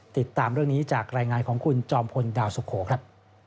ติดตามเรื่องนี้จากรายงานของคุณจอมพลดาวสุโขครับ